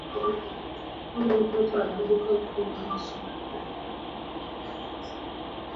Ule mtoto ananguka ku muchi